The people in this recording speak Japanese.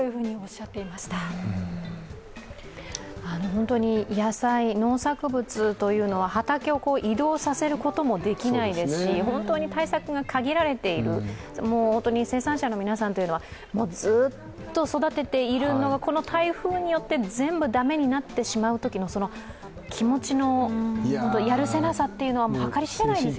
本当に野菜、農作物というのは畑を移動させることもできないですし本当に対策が限られている、生産者の皆さんというのはもうずっと育てているのがこの台風によって、全部駄目になってしまうときの気持ちのやるせなさというのは計り知れないですよね。